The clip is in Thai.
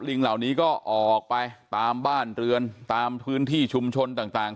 ลิงเหล่านี้ก็ออกไปตามบ้านเรือนตามพื้นที่ชุมชนต่าง